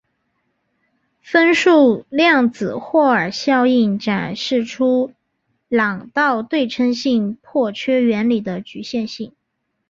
分数量子霍尔效应展示出朗道对称性破缺理论的局限性。